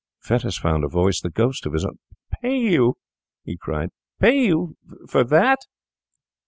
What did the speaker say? Fettes found a voice, the ghost of his own: 'Pay you!' he cried. 'Pay you for that?